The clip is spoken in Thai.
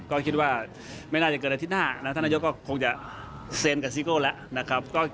ก็คิดว่าไม่น่าจะเกิดอาทิตย์หน้านะท่านนายกก็คงจะเซ็นกับซิโก้แล้วนะครับ